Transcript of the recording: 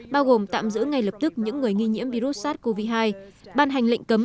bao gồm tạm giữ ngay lập tức những người nghi nhiễm virus sars cov hai ban hành lệnh cấm